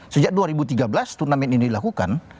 sejak dua ribu tiga belas turnamen ini dilakukan